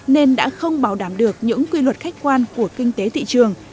nên đã không bảo đảm được những quy luật khách quan của kinh tế thị trường